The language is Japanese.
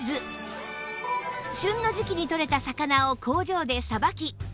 旬の時期にとれた魚を工場でさばき